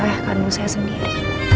ayah kandung saya sendiri